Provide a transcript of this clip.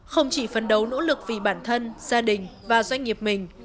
không chỉ phấn đấu nỗ lực vì bản thân gia đình và doanh nghiệp mình